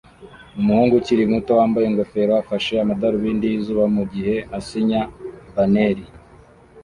Umuhungu ukiri muto wambaye ingofero afashe amadarubindi yizuba mugihe asinya banneri